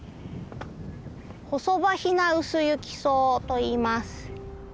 ホソバヒナウスユキソウといいます。